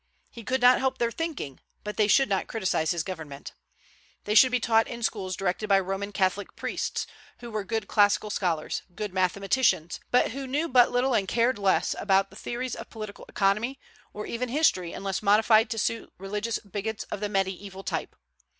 He could not help their thinking, but they should not criticise his government. They should be taught in schools directed by Roman Catholic priests, who were good classical scholars, good mathematicians, but who knew but little and cared less about theories of political economy, or even history unless modified to suit religious bigots of the Mediaeval type.